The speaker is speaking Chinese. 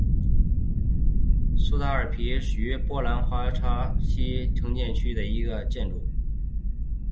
萨皮埃哈宫是位于波兰华沙新城区的一座建筑。